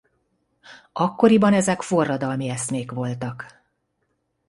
Akkoriban ezek forradalmi eszmék voltak.